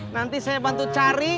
nanti saya bantu cari